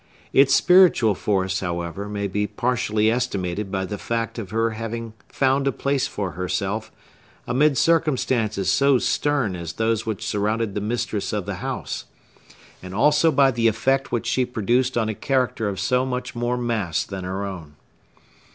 Its spiritual force, however, may be partially estimated by the fact of her having found a place for herself, amid circumstances so stern as those which surrounded the mistress of the house; and also by the effect which she produced on a character of so much more mass than her own.